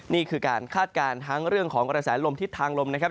นี่คือการคาดการณ์ทั้งเรื่องของกระแสลมทิศทางลมนะครับ